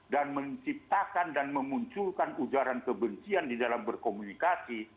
dan menciptakan dan memunculkan ujaran kebencian di dalam berkomunikasi